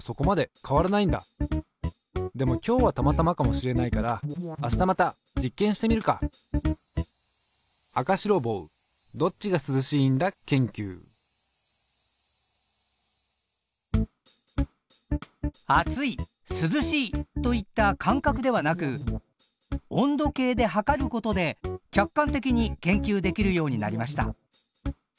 でも今日はたまたまかもしれないからあしたまた実験してみるか暑い涼しいといった感覚ではなく温度計で測ることで客観的に研究できるようになりました。